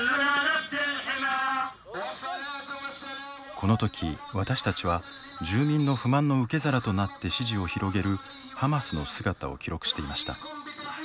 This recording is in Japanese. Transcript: この時私たちは住民の不満の受け皿となって支持を広げるハマスの姿を記録していました。